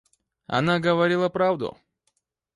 Она говорила правду.